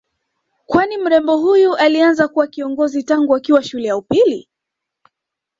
Kwani mrembo huyu alianza kuwa kiongozi tangu akiwa shule ya upili